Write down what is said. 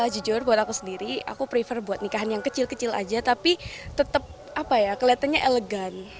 jujur buat aku sendiri aku prefer buat nikahan yang kecil kecil aja tapi tetap kelihatannya elegan